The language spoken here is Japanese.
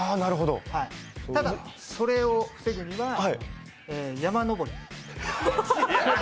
ただ、それを防ぐには山登り。